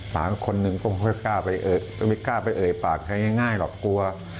คนหนึ่งก็ไม่ค่อยกล้าไปเอ่ยปากใครง่ายหรอกกลัว